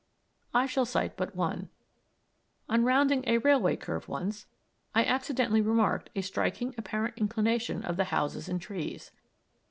I shall cite but one. On rounding a railway curve once, I accidentally remarked a striking apparent inclination of the houses and trees.